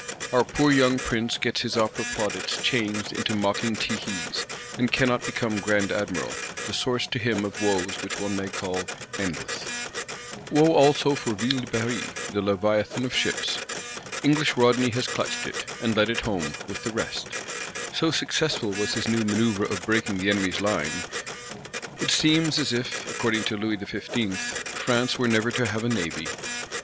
Our poor young Prince gets his Opera plaudits changed into mocking tehees; and cannot become Grand Admiral,—the source to him of woes which one may call endless. Woe also for Ville de Paris, the Leviathan of ships! English Rodney has clutched it, and led it home, with the rest; so successful was his new "manœuvre of breaking the enemy's line." It seems as if, according to Louis XV., "France were never to have a Navy."